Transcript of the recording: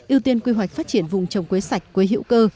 ưu tiên quy hoạch phát triển vùng trồng quế sạch quế hữu cơ